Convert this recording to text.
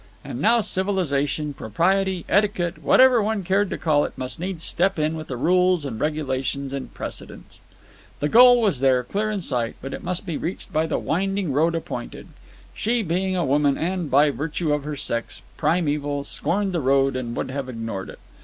And now civilization, propriety, etiquette, whatever one cared to call it, must needs step in with the rules and regulations and precedents. The goal was there, clear in sight, but it must be reached by the winding road appointed. She, being a woman and, by virtue of her sex, primeval, scorned the road, and would have ignored it.